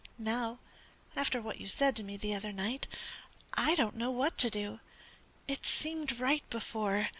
Now, after what you said to me the other night, I don't know what to do. It seemed right before.